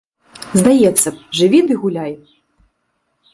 Здаецца б, жыві ды гуляй.